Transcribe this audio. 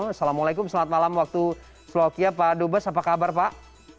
assalamualaikum selamat malam waktu slokia pak dubes apa kabar pak